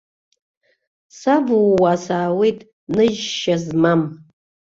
Савууа саауеит ныжьшьа змам.